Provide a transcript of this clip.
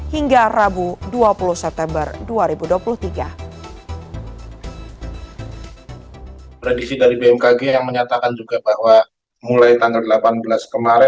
hingga rabu dua puluh september dua ribu dua puluh tiga